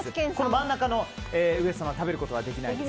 真ん中の上様は食べることができないです。